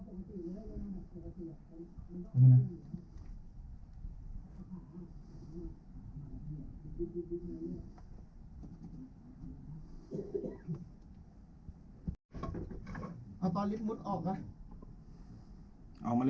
ตอนนี้ถ้าลีฟมุดออกก่อน